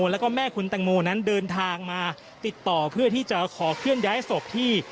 แล้วก็แม่คุณแตงโมนั้นเดินทางมาติดต่อเพื่อที่จะขอเคลื่อนย้ายศพที่